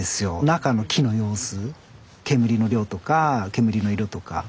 中の木の様子煙の量とか煙の色とか。